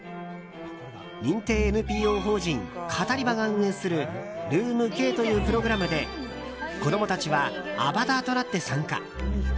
認定ＮＰＯ法人カタリバが運営するｒｏｏｍ‐Ｋというプログラムで生徒はアバターとなって参加。